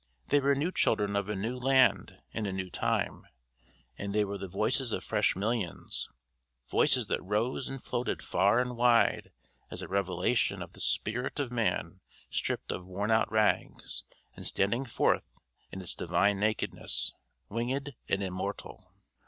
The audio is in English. They were new children of a new land in a new time; and they were the voices of fresh millions voices that rose and floated far and wide as a revelation of the spirit of man stripped of worn out rags and standing forth in its divine nakedness wingèd and immortal.